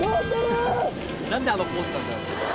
何であのポーズなんだろう？